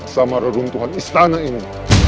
sama reruntuhan istana ini